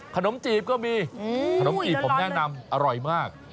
จีบก็มีขนมจีบผมแนะนำอร่อยมาก